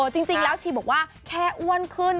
จริงแล้วชีบอกว่าแค่อ้วนขึ้น